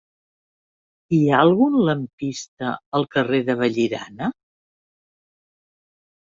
Hi ha algun lampista al carrer de Vallirana?